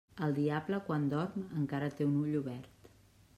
El diable quan dorm encara té un ull obert.